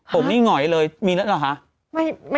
ผมนี่เหง่อยเลยมีเรื่องของอะไรหรือคะ